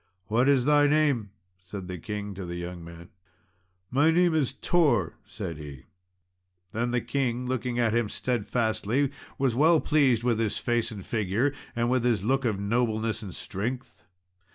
"What is thy name?" said the king to the young man. "My name is Tor," said he. Then the king, looking at him steadfastly, was well pleased with his face and figure, and with his look of nobleness and strength.